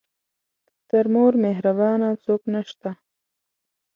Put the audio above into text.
تر مور مهربانه څوک نه شته .